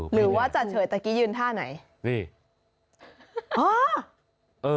หรือว่าจะเฉยตะกี้ยืนท่าไหนนี่